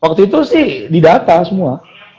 waktu itu sih didata semua